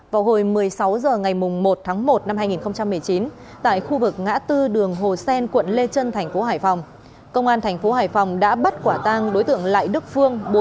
vào hồi một mươi sáu h ngày một tháng một năm hai nghìn một mươi chín tại khu vực ngã tư đường hồ sen quận lê trân thành phố hải phòng công an thành phố hải phòng đã bắt quả tang đối tượng lại đức phương